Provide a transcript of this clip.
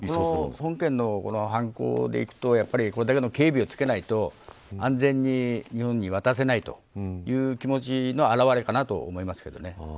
本件の犯行でいくとこれだけの警備をつけないと安全に日本に渡せないという気持ちの表れかなと思いますけどね。